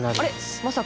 まさかの。